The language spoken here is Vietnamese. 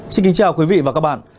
xin kính chào quý vị và các bạn